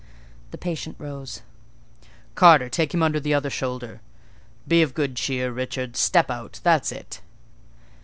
The patient rose. "Carter, take him under the other shoulder. Be of good cheer, Richard; step out—that's it!"